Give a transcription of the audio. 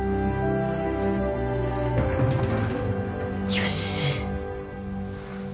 よし。